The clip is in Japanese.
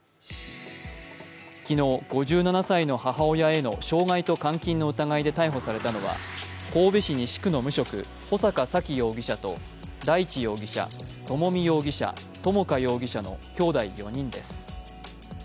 昨日、５７歳の母親への傷害と監禁の疑いで逮捕されたのは神戸市西区の無職穂坂沙喜容疑者と大地容疑者、朝美容疑者、朝華容疑者のきょうだい４人です。